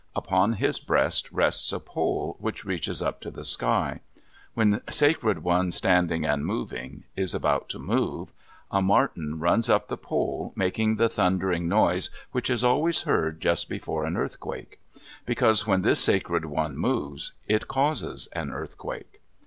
Upon his breast rests a pole which reaches up to the sky. When Sacred One standing and moving is about to move, a marten runs up the pole making the thundering noise which is always heard just before an earthquake. Because when this Sacred One moves, it causes an earthquake.